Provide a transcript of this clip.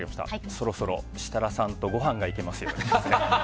そろそろ設楽さんとごはんが行けますようにですね。